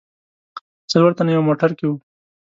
څلور تنه یو موټر کې و.